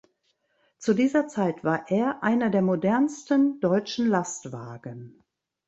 Zu dieser Zeit war er einer der modernsten deutschen Lastwagen.